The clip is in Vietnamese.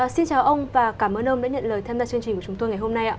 xin chào ông và cảm ơn ông đã nhận lời tham gia chương trình của chúng tôi ngày hôm nay